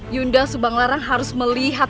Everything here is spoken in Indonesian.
yunda subanglarang harus melihat